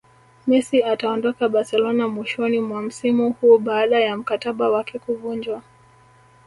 Messi ataondoka Barcelona mwishoni mwa msimu huu baada ya mkataba wake kuvunjwa